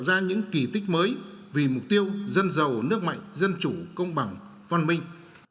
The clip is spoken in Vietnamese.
tạo ra những kỳ tích mới vì mục tiêu dân giàu nước mạnh dân chủ công bằng văn minh